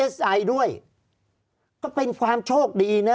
ภารกิจสรรค์ภารกิจสรรค์